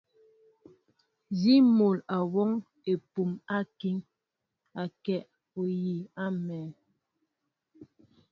Nzi mol awɔŋ epum akiŋ, akɛ ohii amɛɛ.